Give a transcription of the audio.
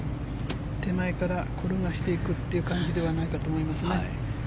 手前から転がしていく感じではないかと思いますね。